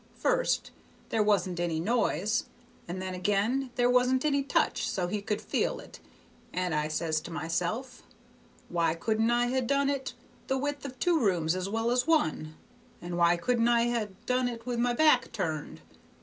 First, there wasn't any noise, and then ag'in there wasn't any touch so he could feel it, and I says to myself, 'Why couldn't I ha' done it the width of two rooms as well as one, and why couldn't I ha' done it with my back turned?'